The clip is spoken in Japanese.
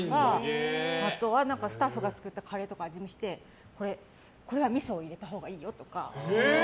あとは、スタッフが作ったカレーとか味見してこれはみそを入れたほうがいいよとか。